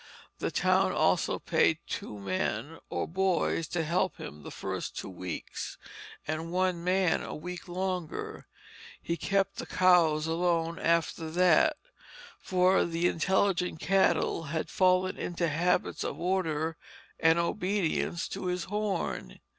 The town also paid two men or boys to help him the first two weeks, and one man a week longer; he kept the cows alone after that, for the intelligent cattle had fallen into habits of order and obedience to his horn.